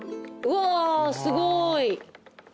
うわすごい。